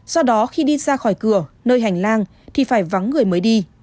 do đó khi đi ra khỏi cửa nơi hành lang thì phải vắng người mới đi